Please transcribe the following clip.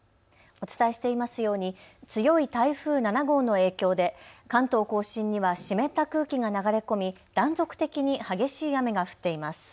お伝えしていますように強い台風７号の影響で関東甲信には湿った空気が流れ込み断続的に激しい雨が降っています。